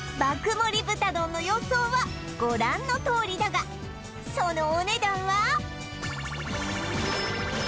盛り豚丼の予想はご覧のとおりだがそのお値段は？